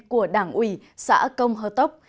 của đảng ủy xã công hơ tốc